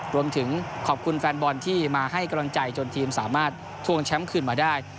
รวมถึงขอบคุณแฟนบอลที่มาให้กำลังใจจนทีมสามารถทวงแชมป์คืนมาได้